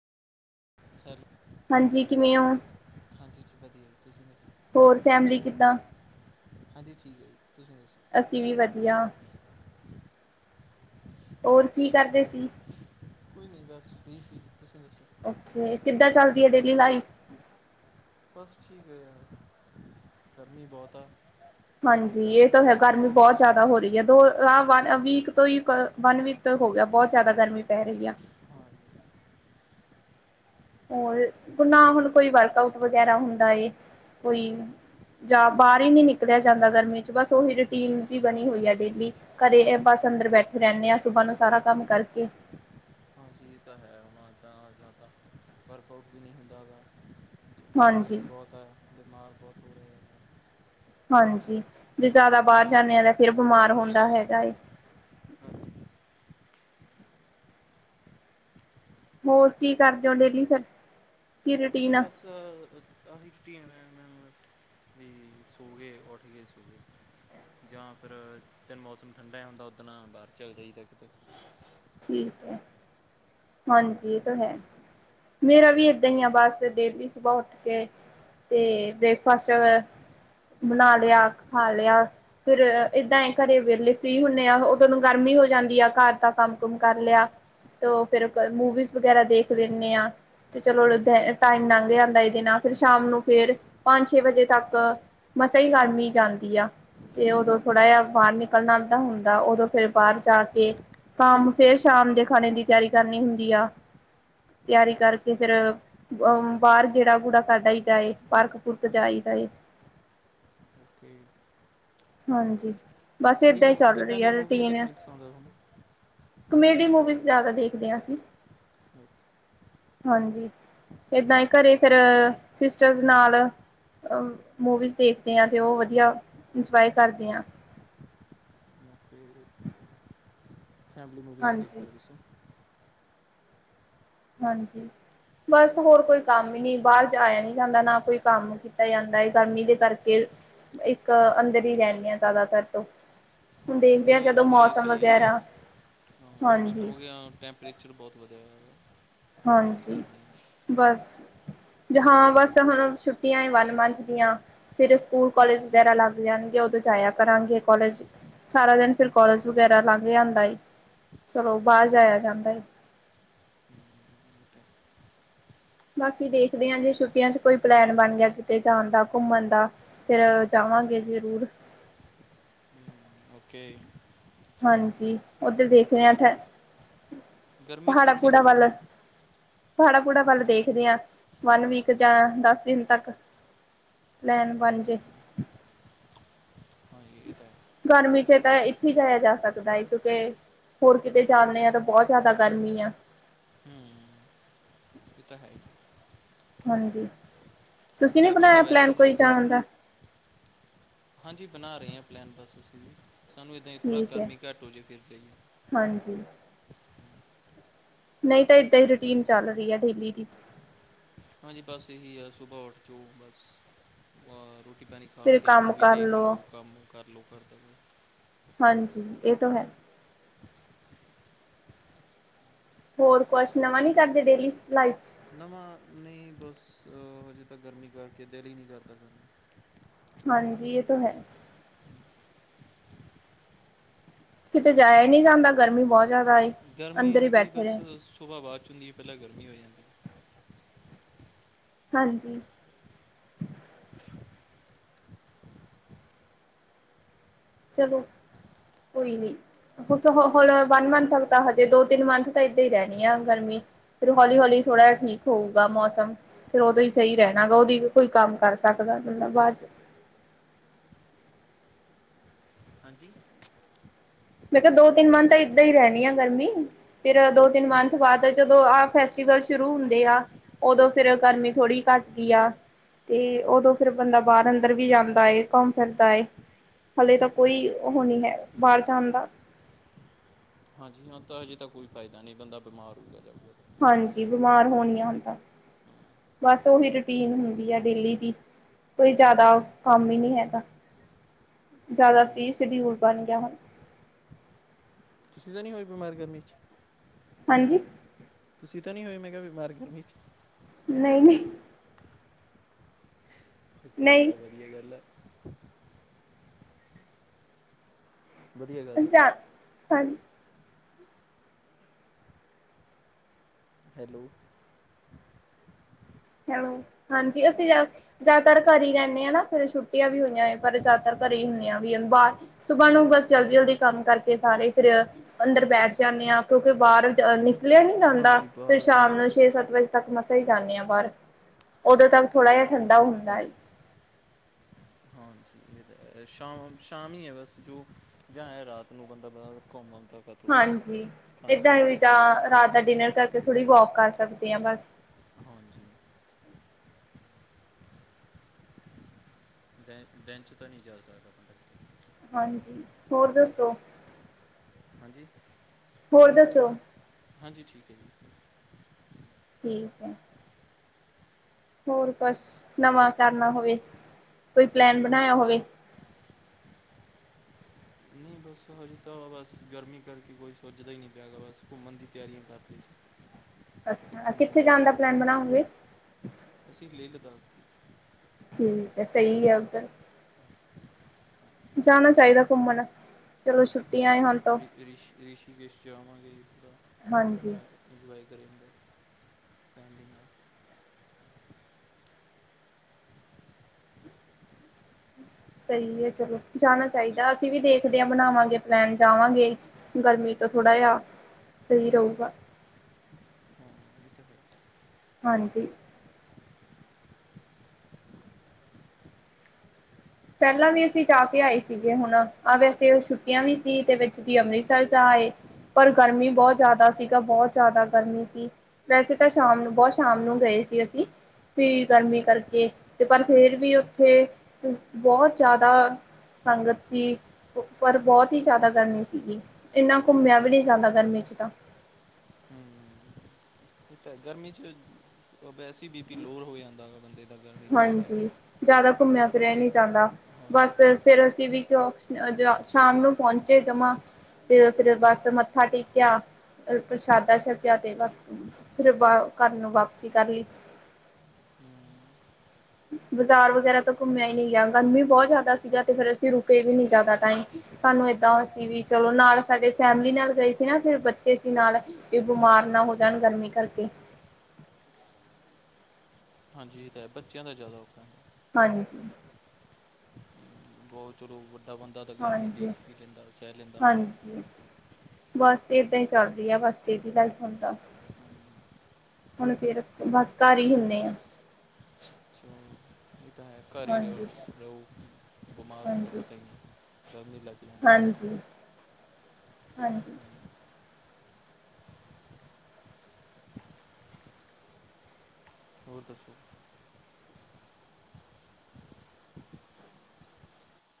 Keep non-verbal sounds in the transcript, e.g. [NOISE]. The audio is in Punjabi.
ਹੈਲੋ ਹਾਂਜੀ ਕਿਵੇਂ ਓ। ਹਾਂਜੀ ਵਧੀਆ, ਤੁਸੀਂ ਦੱਸੋ। ਹੋਰ ਫੈਮਲੀ ਕਿੱਦਾਂ ਹਾਂਜੀ ਠੀਕ ਹੈ ਜੀ, ਤੁਸੀਂ ਦੱਸੋ ਅਸੀਂ ਵੀ ਵਧੀਆ। ਹੋਰ ਕੀ ਕਰਦੇ ਸੀ? ਕੋਈ ਨਹੀਂ, ਬਸ ਫ੍ਰੀ ਸੀ ਤੁਸੀਂ ਦੱਸੋ ਅੱਛੇ, ਕਿੱਦਾਂ ਚੱਲਦੀ ਹੈ ਡੇਲੀ ਲਾਈਫ? ਬਸ ਠੀਕ ਹੈ ਯਾਰ, ਗਰਮੀ ਬਹੁਤ ਆ ਹਾਂਜੀ, ਜਿੱਦਾਂ ਇਹ ਤਾਂ ਹੈ ਮੇਰੇ ਗਰਮੀ ਕੋਲ। ਬਹੁਤ ਜ਼ਿਆਦਾ ਹੋ ਰਹੀ ਹੈ, ਦੋਹ ਵ ਵੀਕ ਤੋਂ ਹੀ ਵਨ ਵੀਕ ਤੇ ਹੋ ਗਿਆ, ਬਹੁਤ ਜ਼ਿਆਦਾ ਗਰਮੀ ਪੈ ਰਹੀ ਐ। ਹਾਂਜੀ ਹੋਰ ਨਾ ਹੁਣ ਕੋਈ ਵਰਕ ਆਊਟ ਵਗੈਰਾ ਹੁੰਦਾ ਹੈ, ਕੋਈ ਜਾਂ ਬਾਹਰ ਹੀ ਨਹੀਂ ਨਿਕਲਿਆ ਜਾਂਦਾ ਗਰਮੀ 'ਚ, ਬਸ ਉਹੀ ਰੂਟੀਨ ਜਿਹੀ ਬਣੀ ਹੋਈ ਹੈ ਡੇਲੀ ਘਰੇ ਬਸ ਅੰਦਰ ਬੈਠੇ ਰਹਿੰਦੇ ਆਾਂ, ਸੁਬਾਹ ਨੂੰ ਸਾਰਾ ਕੰਮ ਕਰਕੇ ਏਹ ਤਾਂ ਹੈ, ਹੋਣਾ ਇੱਦਾਂ ਜ਼ਿਆ ਤਾਂ ਵਰਕਆਊਟ ਵੀ ਨਹੀਂ ਹੁੰਦਾ ਹੈਾ ਗਰਮੀ ਵੀ ਹਾਂਜੀ ਬਹੁਤ ਹੈ, ਬਿਮਾਰ ਬਹੁਤ ਹੋ ਰਹੇ ਨੇ ਹਾਂਜੀ, ਜੇ ਜ਼ਿਆਦਾ ਬਾਹਰ ਜਾਂਦੇ ਆ, ਤਾਂ ਫਿਰ ਬਿਮਾਰ ਹੁੰਦਾ ਹੈਗਾ ਏ। ਹਾਂਜੀ ਹੋਰ ਕੀ ਕਰਦੇ ਹੋ ਡੇਲੀ ਫਿਰ ਕੀ ਇਹਦੀ ਰੂਟੀਨ ਆ ਬਸ ਅਸੀ [UNINTELLIGIBLE] ਵੀ ਸੌਂ ਗਏ, ਉੱਠ ਗਏ, ਸੌਂ ਗਏ ਜਾਂ ਫਿਰ ਜਿਸ ਦਿਨ ਮੌਸਮ ਠੰਡਾ ਜ ਹੁੰਦਾ, ਉਸ ਦਿਨ ਬਾਹਰ ਚੱਲ ਜਾਈਦਾ ਕਿਤੇ ਠੀਕ ਹੈ, ਹਾਂਜੀ ਇਹ ਤਾਂ ਹੈ। ਮੇਰਾ ਵੀ ਏਦਾਂ ਹੀ ਆ, ਬਸ ਡੇਲੀ ਸੁਬਾਹ ਉੱਠ ਕੇ ਤੇ ਬ੍ਰੇਕਫਾਸਟ ਬਣਾ ਲਿਆ, ਖਾ ਲਿਆ। ਫਿਰ ਏਦਾਂ ਘਰੇ ਵਿੇਹਲੇ, ਫ੍ਰੀ ਹੁੰਦੇ ਆ, ਉਦਨ ਗਰਮੀ ਹੋ ਜਾਂਦੀ ਆ ਘਰ ਦਾ ਕੰਮ ਕੰਮ ਕੂਮ ਕਰ ਲਿਆ, ਤੇ ਫਿਰ ਮੂਵੀਜ਼ ਵਗੈਰਾ ਦੇਖ ਲੈਂਦੇ ਆ ਤੇ ਚਲੋ ਹਾਂਜੀ ਟਾਈਮ ਲੰਘ ਜਾਂਦਾ‌ ਏਦੇ ਨਾਲ, ਫਿਰ ਸ਼ਾਮ ਨੂੰ ਫੇਰ ਪੰਜ-ਛੇ ਵਜੇ ਤੱਕ ਮਸਾਂ ਈ ਗਰਮੀ ਜਾਂਦੀ ਆ। ਤੇ ਉਦੋਂ ਥੋੜ੍ਹਾ ਜਿਹਾ ਬਾਹਰ ਨਿਕਲਣ ਦਾ ਹੁੰਦਾ, ਉਦੋਂ ਫਿਰ ਬਾਹਰ ਜਾ ਕੇ ਕੰਮ ਫੇਰ ਸ਼ਾਮ ਦੇ ਖਾਣੇ ਦੀ ਤਿਆਰੀ ਕਰਨੀ ਹੁੰਦੀ ਆ, ਤਿਆਰੀ ਕਰਕੇ ਫੇਰ ਅ ਬਾਹਰ ਗੇੜਾ ਗੁੜਾ ਕੱਢ ਆਈ ਦਾ ਏ, ਪਾਰਕ ਪੁਰਕ ਜਾਈਦਾਏ [INAUDIBLE] ਹਾਂਜੀ, ਬਸ ਕਿਹੜੀ ਏਦਾਂ ਹੀ ਮੂ ਚੱਲ ਕਿੱਦਾਂ ਰਹੀ ਹੈ, ਦੀਆਂ ਮੂਵੀਆਂ ਰੂਟੀਨ ਦੇਖਣੀ ਪਸੰਦ ਆ ਤੁਹਾਨੂੰ ਕਮੇਡੀ ਮੂਵੀਜ਼ ਜ਼ਿਆਦਾ ਦੇਖਦੇ ਹਾਂ ਅਸੀਂ। [UNINTELLIGIBLE] ਹਾਂਜੀ ਏਦਾਂ ਹੀ ਘਰੇ ਫਿਰ, ਸਿਸਟਰਸ ਨਾਲ ਅ ਮੂਵੀਜ਼ ਦੇਖਦੇ ਹਾਂ, ਤੇ ਉਹ ਵਧੀਆ ਇੰਸਪਾਇਰ ਕਰਦੇ ਆ। ਮੈਂ, ਫ੍ਰੀ, ਫੈਮਲੀ ਮੂਵੀਜ਼ ਹਾਂਜੀ ਦੇਖਦੇ ਹੋ ਤੁੇ ਹਾਂਜੀ, ਬਸ ਹੋਰ ਕੋਈ ਕੰਮ ਹੀ ਨੀ ਬਾਹਰ ਜਾ ਆਇਆ ਨੀ ਜਾਂਦਾ, ਨਾ ਕੋਈ ਕੰਮ ਕੀਤਾ ਜਾਂਦਾ ਹੈ, ਗਰਮੀ ਦੇ ਕਰਕੇ, ਇੱਕ ਅੰਦਰ ਹੀ ਰਹਿੰਦੇ ਹਾਂ ਜ਼ਿਆਦਾਤਰ ਤੋਂ ਹੁਣ ਦੇਖਦੇ ਹਾਂ ਨਹੀਂ ਜਦੋਂ ਅੰਦਰ ਹੀ ਮੌਸਮ ਸਹੀ ਹੈ ਜੀ, ਵਗੈਰਾ ਹਾਂ ਹਾਂਜੀ ਕਿਉਂਕਿ ਟੈਂ ਕਲੇਚਰ ਬਹੁਤ ਵਧੀਆ ਹੋਈਆ। ਹਾਂਜੀ, ਬਸ ਜ ਹਾਂ ਬਸ ਹੁਣ ਛੁ ਛੁੱਟੀਆਂ ਏ ਵਨ ਮੰਥ ਦੀਆਂ। ਫੇਰ ਸਕੂਲ ਕਾਲਜ ਵਗੈਰਾ ਲੱਗ ਜਾਣਗੇ, ਉਦੋਂ ਜਾਇਆ ਕਰਾਂਗੇ ਕਾਲਜ ਸਾਰਾ ਦਿਨ ਫਿਰ ਕੋਲਜ ਵਗੈਰਾ ਲਾਂਘ ਆਦਾ ਏ, ਚਲੋ ਬਾਹਰ ਜਾਇਆ ਜਾਂਦਾ ਏ। ਬਾਕੀ ਦੇਖਦੇ ਹਾਂ, ਜੇ ਛੁਟੀਆਂ ਚ ਕੋਈ ਪਲੈਨ ਬਣ ਗਿਆ, ਕਿਤੇ ਜਾਣ ਦਾ ਘੁੰਮਣ ਦਾ। ਫਿਰ ਹੂੰ ਜਾਵਾਂਗੇ ਜ਼ਰੂਰ। ਹੂੰ ਓਕੇ, ਹਾਂਜੀ, ਉਧਰ ਦੇਖਦੇ ਹਾਂ, ਠ ਗਰਮੀ 'ਚ ਪਹਾੜਾਂ ਕਿੱਥੇ ਪੂੜਾ ਵੱਲ ਜਾਵਾਂਗੇ ਪਾੜਾ-ਪੂੜਾ ਵੱਲ ਦੇਖਦੇ ਹਾਂ, ਵਨ ਵੀਕ ਜਾਂ ਦਸ ਦਿਨ ਤੱਕ। ਲੈਣ ਬਣਜੇ ਹੂੰ ਹਾਂਜੀ ਇਹ ਤਾਂ ਹੈ। ਗਰਮੀ ਚ ਤਾਂ ਇੱਥੇ ਹੀ ਜਾਇਆ ਜਾ ਸਕਦਾ ਹੈ, ਕਿਉਂਕਿ ਹੋਰ ਕਿਤੇ ਜਾਂਦੇ ਆ, ਤਾਂ ਬਹੁਤ ਜ਼ਿਆਦਾ ਗਰਮੀ ਐ। ਏ ਤਾਂ ਹੈ ਹੀ, ਹਾਂਜੀ, ਤੁਸੀਂ ਨੇ ਜੈਪੁਰ ਤਾਂ ਬਣਾਇਆ ਵੈਸੇ ਪਲੈਨ ਨਹੀਂ ਜਾਇਆ ਕੋਈ ਜਾ ਜਾਣ ਸਕਦਾ ਦਾ? ਹਾਂਜੀ ਬਣਾ ਰਹੇ ਹਾਂ ਪਲੈਨ ਬਸ ਅਸੀਂ ਜੀ, ਸਾਨੂੰ ਇੱਦਾਂ ਹੀ ਥੋੜ੍ਹਾ ਠੀਕ ਹੈ ਗਰਮੀ ਘੱਟ ਹੋ ਜਾਵੇ, ਫਿਰ ਜਾਈਏ। ਹਾਂਜੀ, ਨਹੀਂ ਤਾਂ ਇਦਾਂ ਹੀ ਰੂਟੀਨ ਚੱਲ ਰਹੀ ਹੈ ਡੇਲੀ ਦੀ। ਹਾਂਜੀ, ਬਸ ਇਹੀ ਆ ਸੁਬਾਹ ਉੱਠ ਜੋ ਬਸ ਰੋਟੀ ਪਾਣੀ ਫਿਰ ਖਾਕੇ ਕੰਮ ਮੂਵੀ ਕਰ ਦੇਖ ਲਓ ਕੰਮ ਕਰ ਲਓ ਘਰ ਦਾ ਹਾਂਜੀ ਇਹ ਤਾਂ ਹੈ। ਹੋਰ ਕੁਛ ਨਵਾਂ ਨੀ ਕਰਦੇ ਡੇਲੀ ਲਾਈਫ ਚ ਨਵਾਂ ਨਹੀਂ ਬਸ, ਹਜੇ ਤੱਕ ਗਰਮੀ ਕਰਕੇ ਦਿਲ ਹੀ ਨਹੀਂ ਕਰਦਾ। ਹਾਂਜੀ ਇਹ ਤਾਂ ਹੈ। ਕਿਤੇ ਜਾਇਆ ਹੀ ਨਹੀ ਜਾਂਦਾ, ਗਰਮੀ ਬਹੁਤ ਜ਼ਿਆਦਾ ਏ। ਗਰਮੀ ਅੰਦਰ ਹੀ ਹਾਂਜੀ ਬੈਠੇ ਬਸ, ਰਹੇ ਸੁਬਾਹ ਬਾਰਸ਼ ਹੁੰਦੀ ਹੈ, ਪਹਿਲਾਂ ਗਰਮੀ ਹੋ ਜਾਂਦੀਏ। ਹਾਂਜੀ, ਚਲੋ ਕੋਈ ਨੀ। ਉਤੇ ਹਾਂ ਹੋਰ ਹੁਣ ਵਨ ਮੰਥ ਤੱਕ ਤਾਂ ਹਜੇ, ਦੋ-ਤਿੰਨ ਮੰਥ ਤਾਂ ਏਦਾਂ ਹੀ ਰਹਿਣੀ ਆ ਗਰਮੀ। ਫਿਰ ਹੌਲੀ-ਹੌਲੀ ਥੋੜ੍ਹਾ ਜਹਾ ਠੀਕ ਹੋਊਗਾ ਮੌਸਮ ਫਿਰ ਉਹਦੋਂ ਹੀ ਸਹੀ ਰਹਿਣਾ ਗਾ, ਉਹਦੀ ਕੋਈ ਕੰਮ ਕਰ ਸਕਦਾ ਮਤਲਬ ਬਾਅਦ ਚ। ਹਾਂਜੀ, ਮੈਂ ਕਿਹਾ ਦੋ ਤਿੰਨ ਮੰਥਨ ਤਾਂ ਇਦਾਂ ਹੀ ਰਹਿਣੀ ਆ ਗਰਮੀ ਫਿਰ ਦੋ ਤਿੰਨ ਮੰਥ ਬਾਅਦ ਜਦੋਂ ਆਹ ਫੈਸਟੀਵਲ ਸ਼ੁਰੂ ਹੁੰਦੇ ਆ ਉਦੋਂ ਫੇਰ ਗਰਮੀ ਥੋੜ੍ਹੀ ਘੱਟਦੀ ਆ ਤੇ ਉਦੋਂ ਫਿਰ ਬੰਦਾ ਬਾਹਰ ਅੰਦਰ ਵੀ ਜਾਂਦਾ ਏ ਘੁੰਮ ਫਿਰਦਾ ਏ ਹਾਲੇ ਤਾਂ ਕੋਈ ਉਹ ਨਹੀਂ ਹੈ, ਬਾਹਰ ਜਾਣ ਦਾ। ਹਾਂਜੀ ਹਾਂ, ਤਾਂ ਅਜੇ ਤਾਂ ਕੋਈ ਫਾਇਦਾ ਨਹੀਂ ਬੰਦਾ ਬਿਮਾਰ ਹੋਊਗਾ ਹਾਂਜੀ, ਬਿਮਾਰ ਹੋਨੀਆ ਹੁਣ ਤਾਂ ਬਸ ਉਹੀ ਰੂਟੀਨ ਹੁੰਦੀ ਹੈ, ਡੇਲੀ ਦੀ ਕੋਈ ਜ਼ਿਆਦਾ ਹੂੰ ਕੰਮ ਹੀ ਨਹੀਂ ਹੈਗਾ, ਜ਼ਿਆਦਾ ਹੂੰ ਫੀ ਸ਼ਡਿਊਲ ਬਣ ਗਿਆ, ਹੁਣ ਤੁਸੀਂ ਤਾਂ ਨਹੀਂ ਹੋਏ ਬਿਮਾਰ ਗਰਮੀ ਚ? ਹਾਂਜੀ, ਤੁਸੀਂ ਤਾਂ ਨੀ ਹੋਏ ਮੈਂ ਕਿਹਾ ਬਿਮਾਰ ਗਰਮੀ ਚ? ਨਹੀਂ-ਨਹੀਂ, ਇਕ ਚੀਜ਼ ਚ ਨਹੀਂ ਚਲੋ ਵਧੀਆ ਗੱਲ ਐ। ਵਧੀਆ ਗੱਲ ਆ ਪੰਜਾਬ ਹਾਂਜੀ, ਹੈਲੋ, ਹੈਲੋ ਹਾਂਜੀ, ਅਸੀਂ ਜਾਓ ਜ਼ਿਆਦਾਤਰ ਘਰ ਹੀ ਰਹਿੰਦੇ ਹਾਂ ਨਾ ਫਿਰ ਛੁੱਟ ਵੀ ਹੋਈਆਂ ਪਰ ਜ਼ਿਆਦਾਤਰ ਘਰੇ ਹੀ ਹੁੰਦੇ ਆ ਵੀ ਬਾਹਰ ਸੁਬਾ ਨੂੰ ਬਸ ਜਲਦੀ -ਜਲਦੀ ਕੰਮ ਕਰਕੇ ਸਾਰੇ ਫਿਰ ਅੰਦਰ ਬੈਠ ਜਾਂਦੇ ਹਾਂ ਕਿਉਂਕਿ ਬਾਹਰ ਨਿਕਲਿਆ ਨੀ ਜਾਂਦਾ ਹਾਂਜੀ ਬਾ ਫਿਰ ਸ਼ਾਮ ਨੂੰ ਛੇ ਸੱਤ ਵਜੇ ਤੱਕ ਮਸਾਂ ਹੀ ਜਾਂਦੇ ਹਾਂ ਬਾਹਰ ਉਦੋਂ ਤੱਕ ਥੋੜਾ ਜਿਹਾ ਹੂੰ ਠੰਡਾ ਹੁੰਦਾ ਏ। ਸ਼ਾਮ-ਸ਼ਾਮ ਹੀ ਹੈ ਬਸ ਜੋ। ਜਾਂ ਹੈ ਰਾਤ ਨੂੰ ਬੰਦਾ ਬ ਘੁੰਮ ਆਦਾ। ਹਾਂਜੀ ਇੱਦਾਂ ਵੀ ਜਾਂ ਰਾਤ ਦਾ ਡਿਨਰ ਕਰਕੇ ਥੋੜ੍ਹੀ ਵੋਕ ਕਰ ਸਕਦੇ ਹਾਂ ਬਸ ਹਾਂਜੀ ਦੈਂ ਦੈਂਨ 'ਚ ਤਾਂ ਨਈ ਜਾ ਸਕਦਾ ਕਿਤੇ ਹਾਂਜੀ ਹੋਰ ਦੱਸੋ? ਹਾਂਜੀ ਹੋਰ ਦੱਸੋ? ਹਾਂਜੀ ਠੀਕ ਹੈ ਜੀ। ਠੀਕ ਹੈ ਹੋਰ ਕੁਛ ਨਵਾਂ ਕਰਨਾ ਹੋਵੇ ਕੋਈ ਪਲੈਨ ਬਣਾਇਆ ਹੋਵੇ ਨਹੀਂ ਬਸ ਹੋ ਜ ਤਾਂ ਬਸ ਗਰਮੀ ਕਰਕੇ ਕੋਈ ਸੋਚਦਾ ਹੀ ਨਹੀਂ ਪਿਆਗਾ ਬਸ ਘੁੰਮਣ ਦੀ ਤਿਆਰੀਆਂ ਕਰਦੇ ਸੀ। ਕਿਤੇ ਅੱਛਾ ਘੁੰਮਣ ਕਿੱਥੇ ਜਾਣ ਜਾਂਦੇ ਦਾ ਹਾਂ ਪਲੈਨ ਬਣਾਓਗੇ ਅਸੀਂ ਲੇ ਲੱਦਾਖ ਠੀਕ ਹੈ ਸਹੀ ਆ ਉੱਧਰ ਜਾਣਾ ਚਾਹੀਦਾ ਘੁੰਮਣ ਚਲੋ ਛੁੱਟੀ ਆਏ ਹਾਂ ਰਿਸ਼ੀ ਰਿਸ਼ੀਕੇਸ਼ ਜਾਵਾਂਗੇ ਹਾਂਜੀ ਜਿਦਾ [INAUDIBLE] ਇੰਜੋਏ ਕਰਦਾ ਫੈਮਲੀ ਨਾਲ ਸਹੀ ਹੈ ਚਲੋ ਜਾਣਾ ਚਾਹੀਦਾ ਅਸੀਂ ਵੀ ਦੇਖ ਆਂ ਬਣਾਵਾਂਗੇ ਪਲੈਨ ਜਾਵਾਂਗੇ ਗਰਮੀ ਤੋਂ ਥੋੜਾ ਜਾਿਹਾ ਸਹੀ ਰਹੇਗਾ ਹਾਂ ਇਹ ਤਾਂ ਹੈ ਹਾਂਜੀ ਪਹਿਲਾਂ ਵੀ ਅਸੀਂ ਜਾ ਕੇ ਆਏ ਸੀਗੇ ਹੁਣ ਆਹ ਵੈਸੇ ਛੁੱਟੀਆਂ ਵੀ ਸੀ ਤੇ ਵਿੱਚ ਜ ਅੰਮ੍ਰਿਤਸਰ ਜਾ ਆਏ ਪਰ ਗਰਮੀ ਬਹੁਤ ਜ਼ਿਆਦਾ ਸੀਗਾ ਬਹੁਤ ਜ਼ਿਆਦਾ ਗਰਮੀ ਸੀ ਵੈਸੇ ਤਾਂ ਸ਼ਾਮ ਨੂੰ ਬਹੁਤ ਸ਼ਾਮ ਨੂੰ ਗਏ ਸੀ ਅਸੀਂ ਫ ਗਰਮੀ ਕਰਕੇ ਤੇ ਪਰ ਫੇਰ ਵੀ ਉੱਥੇ ਬਹੁਤ ਜ਼ਿਆਦਾ ਸੰਗਤ ਸੀ ਪਰ ਬਹੁਤ ਹੀ ਜ਼ਿਆਦਾ ਗਰਮੀ ਸੀਗੀ ਇੰਨਾ ਘੁੰਮਿਆ ਵੀ ਨਈ ਜਾਂਦਾ ਗਰਮੀ ਚ ਤਾਂ ਹਮ ਓ ਤਾ ਗਰਮੀ ਚ ਵੈਸੇ ਬੀ ਪੀ ਲੋਅ ਹੋ ਜਾਂਦਾ ਹੈ ਬੰਦੇ ਦਾ ਗਰਮੀ ਚ ਹਾਂਜੀ ਜ਼ਿਆਦਾ ਘੁੰਮਿਆ ਫਿਰਿਆ ਹੀ ਨਈ ਜਾਂਦਾ ਹਾਂ ਬਸ ਤੇ ਫਿਰ ਅਸੀਂ ਵੀ ਸ਼ਾਮ ਨੂੰ ਪਹੁੰਚੇ ਜਮਾਂ ਤੇ ਫੇਿਰ ਬਸ ਮੱਥਾ ਟੇਕਿਆ ਪ੍ਰਸ਼ਾਦਾ ਛਕਿਆ ਤੇ ਬਸ ਫਿਰ ਵ ਘਰ ਨੂੰ ਵਾਪਸੀ ਕਰ ਲਈ ਹਮ, ਬਜ਼ਾਰ ਵਗੈਰਾ ਤਾਂ ਘੁੰਮਿਆ ਹੀ ਨਹੀਂ ਗਿਆ ਗਰਮੀ ਬਹੁਤ ਜ਼ਿਆਦਾ ਸੀਗਾ ਤੇ ਫੇਰ ਅਸੀਂ ਰੁਕੇ ਵੀ ਨੀ ਜ਼ਿਆਦਾ ਟਾਈਮ ਸਾਨੂੰ ਏਦਾਂ ਸੀ ਵੀ ਚਲੋ ਨਾਲ ਸਾਡੇ ਫੈਮਲੀ ਨਾਲ ਗਏ ਸੀ ਨਾ ਫਿਰ ਬੱਚੇ ਸੀ ਨਾਲ ਵੀ ਬਿਮਾਰ ਨਾ ਹੋ ਜਾਣ ਗਰਮੀ ਕਰਕੇ ਹਾਂਜੀ ਤਾਂ ਬੱਚਿਆਂ ਦਾ ਜ਼ਿਆਦਾ ਔਖਾ ਹਾਂਜੀ ਹਮ, ਬਹੁਤ ਚਲੋ ਵੱਡਾ ਬੰਦਾ ਤਾਂ ਗਰਮੀ ਦੇਖ ਹਾਂਜੀ ਵੀ ਲੈਂਦਾ ਸਹਿ ਲੈਂਦਾ ਹਾਂਜੀ ਬਸ ਇਦਾਂ ਹੀ ਚੱਲ ਰਹੀ ਆ ਬਸ ਇਹਦਾ ਦੀ ਹੁਣਦਾ ਹਾਂਜੀ ਹੁਣ ਫੇਰ ਬਸ ਘਰ ਹੀ ਹੁੰਦੇ ਆ ਚਲੋ ਇਹ ਤਾਂ ਹੈ ਘਰ ਹੀ ਰਹ ਹਾਂਜੀ ਰਹੋ ਬਿਮਾਰ ਹੁੰਦਾ ਹਾਂਜੀ ਪਤਾ ਹੀ ਗਰ ਨਹੀਂ ਲੱਗ ਜਾਂਦੀ ਹਾਂਜੀ ਹਾਂਜੀ ਹਮ, ਹੋਰ ਦੱਸੋ?